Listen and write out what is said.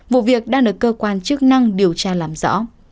vụ việc đang được cơ quan chức năng điều tra làm rõ